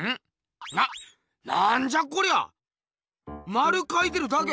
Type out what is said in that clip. まるかいてるだけ？